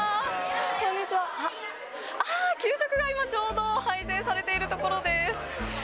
こんにちは、あっ、給食が今ちょうど配膳されているところです。